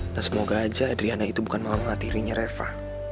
dan semoga aja adriana itu bukan mama tirinya reva